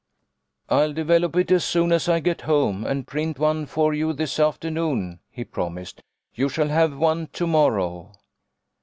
" I'll develop it as soon as I get home, and print one for you this afternoon," he promised. "You shall have one to morrow."